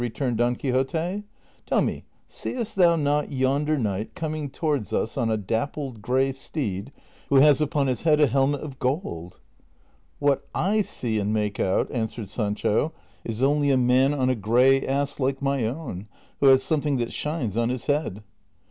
" returned Don Quixote ;" tell me, seest thou not yonder knight coming towards us on a dappled gray steed, who has upon his head a helmet of gold ?" "What I see and make out," answered Sancho, " is only a ' Trov. 194. 148 DON QUIXOTE. man on a gray ass like my own, who has something that shines on his head."